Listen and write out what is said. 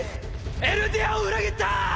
エルディアを裏切った！！